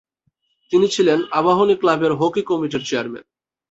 তিনি ছিলেন আবাহনী ক্লাবের হকি কমিটির চেয়ারম্যান।